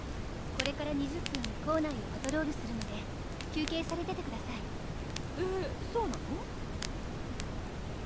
これから２０分校内をパトロールするので休憩されててくださいえそうなの？